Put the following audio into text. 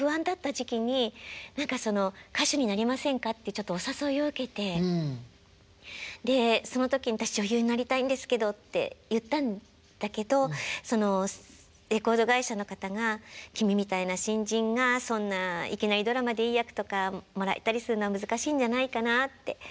ちょっとお誘いを受けてでその時に「私女優になりたいんですけど」って言ったんだけどそのレコード会社の方が「君みたいな新人がそんないきなりドラマでいい役とかもらえたりするのは難しいんじゃないかな」って。